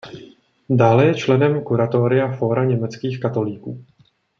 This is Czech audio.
Dále je členem kuratoria Fóra německých katolíků.